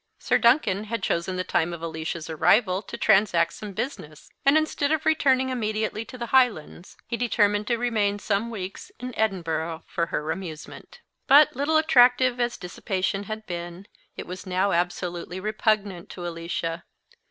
Sir Duncan had chosen the time of Alicia's arrival to transact some business; and instead of returning immediately to the Highlands, he determined to remain some weeks in Edinburgh for her amusement. But, little attractive as dissipation had been, it was now absolutely repugnant to Alicia.